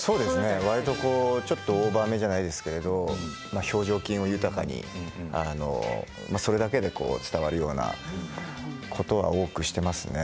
わりとオーバーめじゃないですけど表情筋を豊かにそれだけで伝わるようなことは多くしていますね